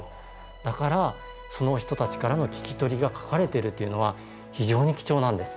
だからその人たちからの聞き取りが書かれてるというのは非常に貴重なんです。